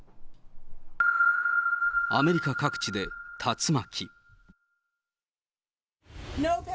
アメリカ各地で竜巻。